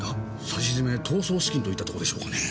さしずめ逃走資金といったとこでしょうかね？